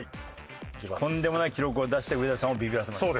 とんでもない記録を出して上田さんをビビらせましょう。